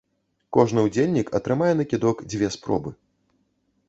Кожны ўдзельнік атрымае на кідок дзве спробы.